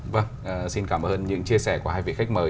vâng xin cảm ơn những chia sẻ của hai vị khách mời